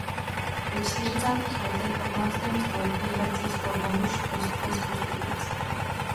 Ve čtyřicátých letech patnáctého století hrad získal Bohuš Kostka z Postupic.